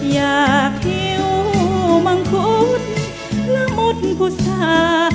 อยากทิ้วมังคุ้นละมุดผู้สา